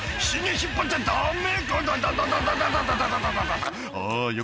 「引っ張っちゃダメ！」